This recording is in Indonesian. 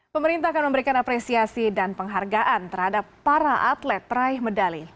pemerintah akan memberikan apresiasi dan penghargaan terhadap para atlet peraih medali